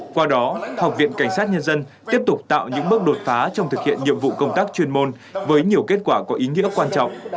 qua đó học viện cảnh sát nhân dân tiếp tục tạo những bước đột phá trong thực hiện nhiệm vụ công tác chuyên môn với nhiều kết quả có ý nghĩa quan trọng